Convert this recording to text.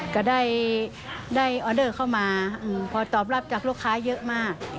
ก็ได้ออเดอร์เข้ามาพอตอบรับจากลูกค้าเยอะมาก